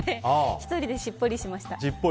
１人でしっぽりしました。